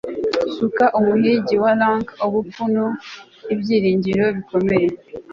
suka umuhigi wa lank ubupfu n'ibyiringiro bikomeye